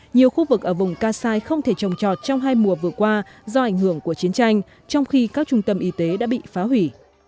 nhiều khu vực ở vùng kassai không thể trồng trọt trong hai mùa vừa qua do ảnh hưởng của chiến tranh trong khi các trung tâm y tế đã bị phá hủy